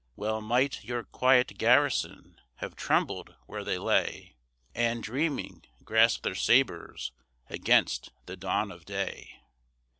Well might your quiet garrison have trembled where they lay, And, dreaming, grasped their sabres against the dawn of day!